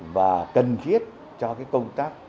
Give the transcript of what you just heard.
và cần thiết cho công tác